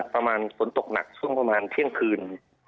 ปลอดฟังฝนตกหนักพรุ่งประมาณเที่ยงคืน